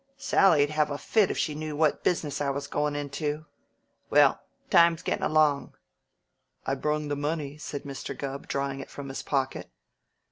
Sally'd have a fit if she knew what business I was goin' into. Well, time's gettin' along " "I brung the money," said Mr. Gubb, drawing it from his pocket.